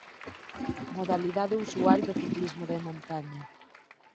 Modalidade usual do ciclismo de montaña.